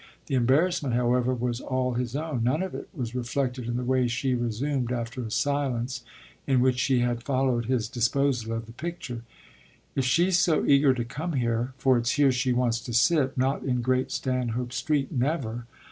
The embarrassment, however, was all his own; none of it was reflected in the way she resumed, after a silence in which she had followed his disposal of the picture: "If she's so eager to come here for it's here she wants to sit, not in Great Stanhope Street, never!